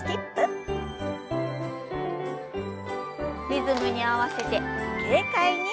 リズムに合わせて軽快に。